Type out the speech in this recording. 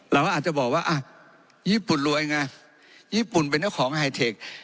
เราก็อาจจะบอกว่าอ่ะญี่ปุ่นรวยไงญี่ปุ่นเป็นเจ้าของไฮเทค